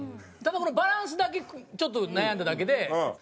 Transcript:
ただバランスだけちょっと悩んだだけで。